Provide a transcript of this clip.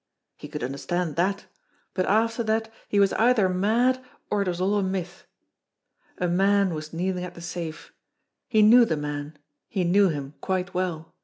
He could understand that ; but after that he was either mad A DEVIL'S ALIBI 181 or it was all a myth. A man was kneeling at the safe. He knew the man ; he knew him quite well.